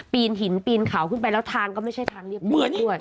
หินปีนเขาขึ้นไปแล้วทางก็ไม่ใช่ทางเรียบมืดด้วย